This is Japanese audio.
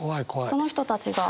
その人たちが。